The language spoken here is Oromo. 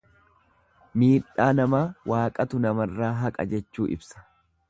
Miidhaa namaa Waaqatu namarraa haqa jechuu ibsa.